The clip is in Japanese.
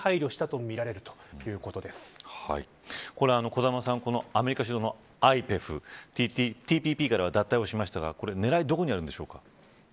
小玉さんアメリカ主導のＩＰＥＦＴＰＰからは脱退しましたが狙いはどこにあるんでしょうか。